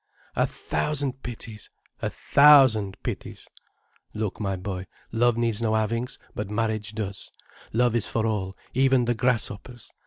"A thousand pities! A thousand pities! Look, my boy, love needs no havings, but marriage does. Love is for all, even the grasshoppers.